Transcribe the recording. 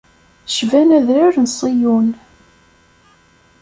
Cban adrar n Ṣiyun.